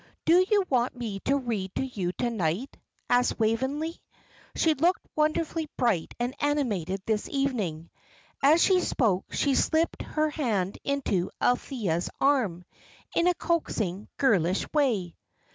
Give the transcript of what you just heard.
"Do you want me to read to you to night?" asked Waveney. She looked wonderfully bright and animated this evening. As she spoke she slipped her hand into Althea's arm, in a coaxing, girlish way.